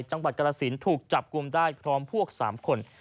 จังหวัดกรสินทร์ถูกจับกลุมได้พร้อมพวก๓คน